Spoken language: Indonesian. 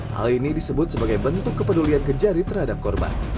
hal ini disebut sebagai bentuk kepedulian kejari terhadap korban